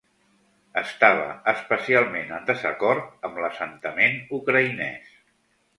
Estava especialment en desacord amb l'assentament ucraïnès.